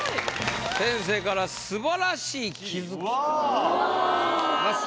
先生から「素晴らしい気づき」ということでございます。